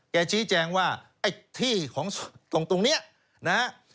ชี้แจงว่าไอ้ที่ของตรงนี้นะฮะ